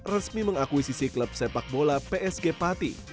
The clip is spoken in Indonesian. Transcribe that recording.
resmi mengakuisisi klub sepak bola psg pati